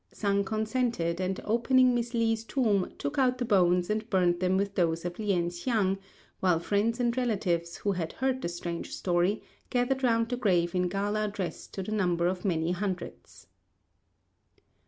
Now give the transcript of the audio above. Sang consented, and opening Miss Li's tomb, took out the bones and buried them with those of Lien hsiang, while friends and relatives, who had heard the strange story, gathered round the grave in gala dress to the number of many hundreds.